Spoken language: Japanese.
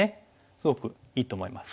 すごくいいと思います。